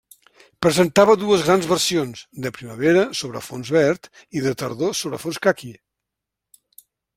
Presentava dues grans versions: de primavera, sobre fons verd; i de tardor, sobre fons caqui.